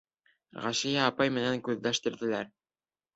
Ғәшиә апай менән күҙләштерҙеләр.